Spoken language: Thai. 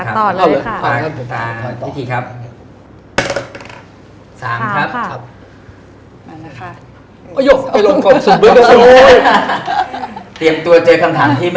ต่อต่อเลยค่ะ